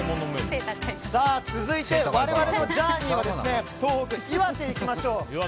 続いて、我々のジャーニーは東北・岩手にいきましょう。